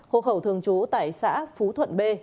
hộ khẩu thường trú tại xã phú thuận b